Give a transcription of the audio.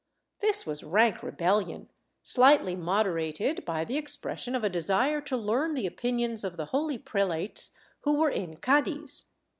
This was rank rebellion, slightly moderated by the ex pression of a desire to learn the opinions of the holy prelates who were in Cadiz.